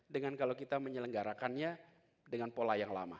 dengan kalau kita menyelenggarakannya dengan pola yang lama